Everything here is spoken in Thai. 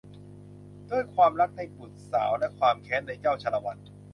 ด้วยความรักในบุตรสาวและความแค้นในเจ้าชาละวัน